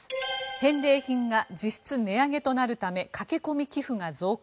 返礼品が実質値上げとなるため駆け込み寄付が増加。